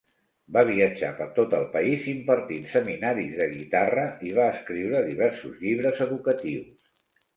Va viatjar per tot el país impartint seminaris de guitarra i va escriure diversos llibres educatius.